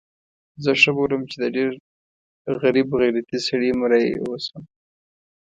زه ښه بولم چې د ډېر غریب غیرتي سړي مریی اوسم.